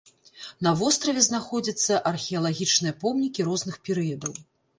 На востраве знаходзяцца археалагічныя помнікі розных перыядаў.